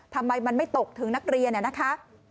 ทำไมมันไม่ตกถึงนักเรียนเนี่ยนะคะ